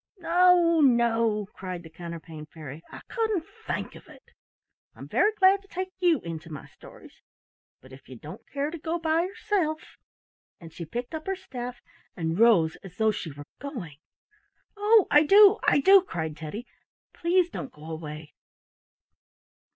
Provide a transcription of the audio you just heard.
"No, no!" cried the Counterpane Fairy, "I couldn't think of it. I'm very glad to take you into my stories, but if you don't care to go by yourself —" and she picked up her staff and rose as though she were going. "Oh, I do, I do!" cried Teddy. "Please don't go away."